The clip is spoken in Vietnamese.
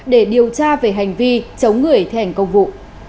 để điều tra về hành vi chống người thi hành công vụ